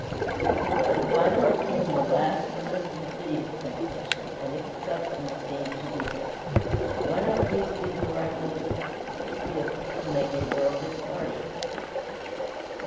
But finally came the last, the most insidious temptation, and its substance seemed to be this: "Why not use these miraculous gifts to make a worldly party?